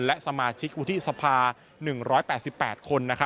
และสมาชิกวุฒิสภา๑๘๘คน